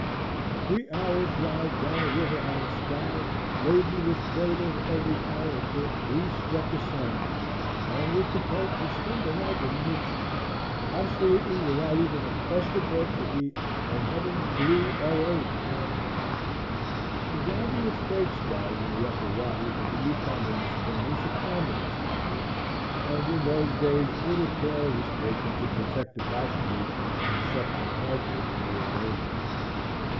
Three hours ride down the river on a scow, laden with freight of every character, we struck a sand bar and were compelled to spent the night in midstream, absolutely without even a crust of bread to eat, and heaven's blue our only canopy. The grounding of freight scows in the upper waters of the Yukon in the spring is a common experience, and in those days little care was taken to protect the passengers from suffering hardship and real danger.